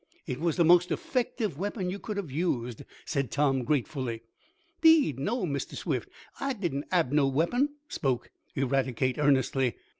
"It was the most effective weapon you could have used," said Tom, gratefully. "Deed no, Mistah Swift, I didn't hab no weapon," spoke Eradicate earnestly.